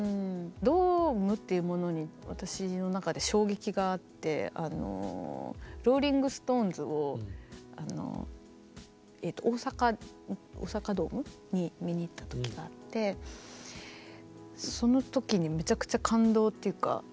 ドームっていうものに私の中で衝撃があってローリング・ストーンズを大阪ドームに見に行った時があってその時にめちゃくちゃ感動っていうか